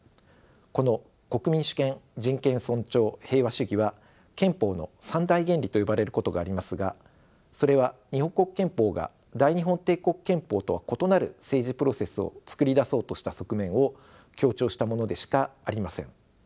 この国民主権人権尊重平和主義は憲法の三大原理と呼ばれることがありますがそれは日本国憲法が大日本帝国憲法とは異なる政治プロセスを作り出そうとした側面を強調したものでしかありません。